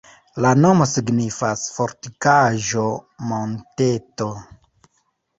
La nomo signifas: fortikaĵo-monteto.